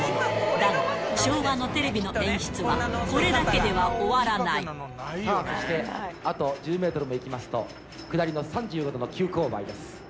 だが、昭和のテレビの演出は、さあそして、あと１０メートルも行きますと、下りの３５度の急こう配です。